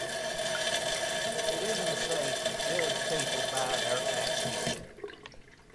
It isn't safe to judge people by their accent.